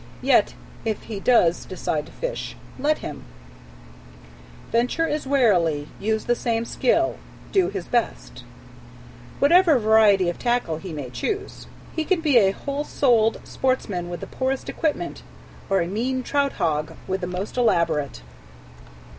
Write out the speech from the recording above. Yet if he does decide to fish, let him "Venture as warily, use the same skill, Do his best, ..." whatever variety of tackle he may choose. He can be a whole souled sportsman with the poorest equipment, or a mean "trout hog" with the most elaborate.